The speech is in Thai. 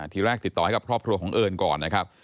ทีแรกติดต่อให้กับครอบครัวของเอิญก่อนนะครับ